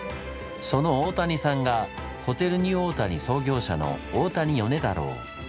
その大谷さんがホテルニューオータニ創業者の大谷米太郎。